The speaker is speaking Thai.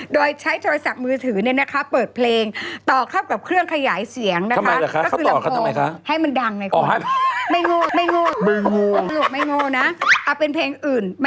โดยใช้โทรศัพท์มือถือเนี่ยนะคะเปิดเพลงต่อเข้ากับเครื่องขยายเสียงนะคะ